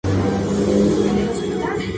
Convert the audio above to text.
Día de muertos así como las corridas de toros.